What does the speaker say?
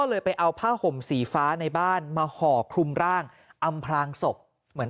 เลยไปเอาผ้าห่มสีฟ้าในบ้านมาห่อคลุมร่างอำพลางศพเหมือน